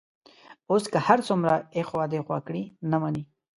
اوس که هر څومره ایخوا دیخوا کړي، نه مني.